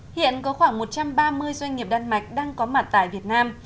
hiện có khoảng một trăm ba mươi doanh nghiệp đan mạch đang có mặt tại việt nam